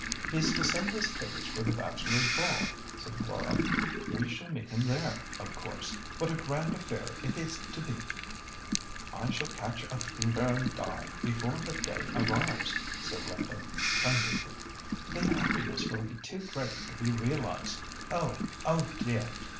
"He is to send us tickets for the Bachelors' Ball," said Laura. "We shall meet him there, of course. What a grand affair it is to be!" "I shall catch a fever and die before the day arrives," said Linda, plaintively. "The happiness will be too great to be realised. Oh! oh, dear!